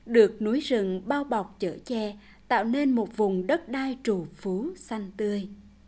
được núi rừng bao bọc chở che tạo nên một vùng đất đai trù phú xanh tươi